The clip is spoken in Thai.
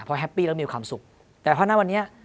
เพราะแฮปปี้แล้วมีความสุขแต่เพราะหน้าวันนี้